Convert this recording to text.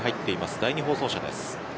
第２放送車です。